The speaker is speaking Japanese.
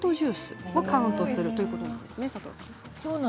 これもカウントするということなんですね。